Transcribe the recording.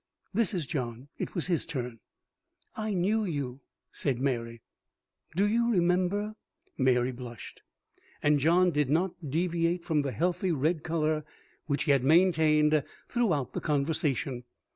(This is John. It was his turn.) "I knew you." (Said Mary.) "Do you remember " Mary blushed, and John did not deviate from the healthy red colour which he had maintained throughout the conversation.